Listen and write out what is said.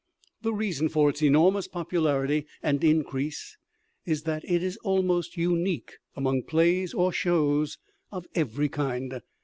The reason for its enormous popularity and increase is that it is almost unique among plays or shows of every kind.